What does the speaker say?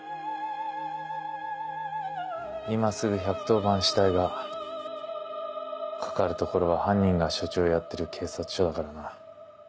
今すぐ１１０番したいがかかる所は犯人が署長をやってる警察署だからな。